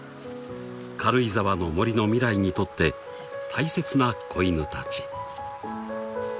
［軽井沢の森の未来にとって大切な子犬たち］